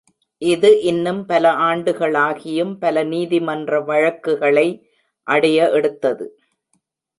இது இன்னும் பல ஆண்டுகளாகியும் பல நீதிமன்ற வழக்குகளை அடைய எடுத்தது.